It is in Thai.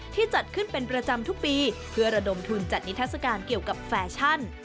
จัดขึ้นเป็นประจำทุกปีเพื่อระดมทุนจัดนิทัศกาลเกี่ยวกับแฟชั่น